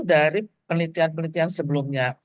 dari penelitian penelitian sebelumnya